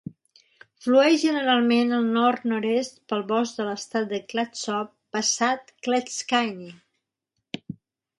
Flueix generalment al nord-nord-oest pel bosc de l'estat de Clatsop, passat Clatskanie.